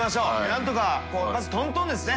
覆鵑箸まずトントンですね。